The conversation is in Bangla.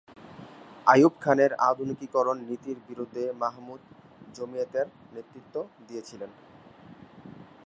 আইয়ুব খানের আধুনিকীকরণ নীতির বিরুদ্ধে মাহমুদ জমিয়তের নেতৃত্ব দিয়েছিলেন।